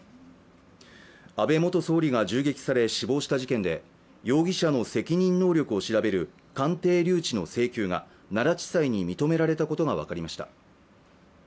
安倍元総理が銃撃され死亡した事件で容疑者の責任能力を調べる鑑定留置の請求が奈良地裁に認められたことが分かりました。